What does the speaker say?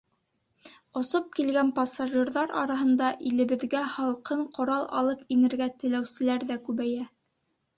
Осоп килгән пассажирҙар араһында илебеҙгә һалҡын ҡорал алып инергә теләүселәр ҙә күбәйә.